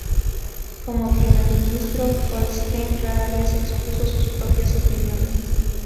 Como primer ministro, Holstein rara vez expuso sus propias opiniones.